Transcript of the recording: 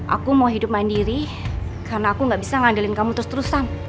aku mau jadi diriku sendiri karena aku gak bisa ngandelin kamu terus terusan